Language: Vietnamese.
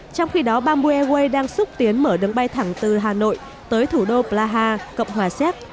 trong khi đó bamboo airways đang xúc tiến mở đường bay thẳng từ hà nội tới thủ đô plaha cộng hòa xéc